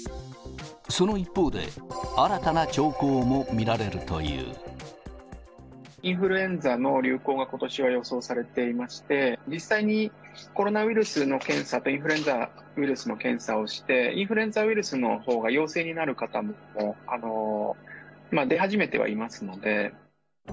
その一方で、インフルエンザの流行が、ことしは予想されていまして、実際にコロナウイルスの検査と、インフルエンザウイルスの検査をして、インフルエンザウイルスのほうが陽性になる方も出始めてはいますので。